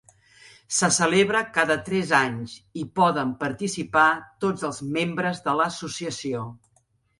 Se celebra cada tres anys i poden participar tots els membres de l'associació.